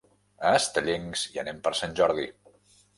A Estellencs hi anem per Sant Jordi.